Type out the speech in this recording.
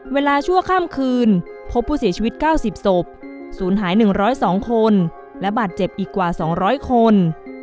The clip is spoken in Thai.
ชั่วข้ามคืนพบผู้เสียชีวิต๙๐ศพศูนย์หาย๑๐๒คนและบาดเจ็บอีกกว่า๒๐๐คน